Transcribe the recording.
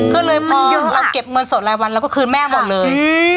ก็เลยเราเก็บเงินสดรายวันเราก็คืนแม่หมดเลย